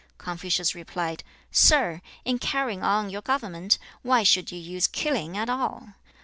Confucius replied, 'Sir, in carrying on your government, why should you use killing at all?